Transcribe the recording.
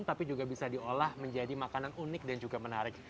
tapi juga bisa diolah menjadi makanan unik dan juga menarik